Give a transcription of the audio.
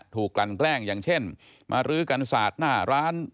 ถูกกันแกล้งอย่างเช่นมาลื้อกันสาดหน้าร้าน